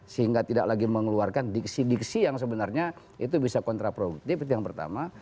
sehingga tidak lagi mengeluarkan diksi diksi yang sebenarnya itu bisa kontraproduktif itu yang pertama